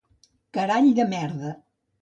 Carall de merda.